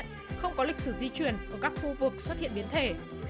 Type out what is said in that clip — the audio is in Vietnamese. không có lịch sử di chuyển ở các khu vực xuất hiện biến thể